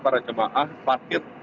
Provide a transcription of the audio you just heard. para jemaah paket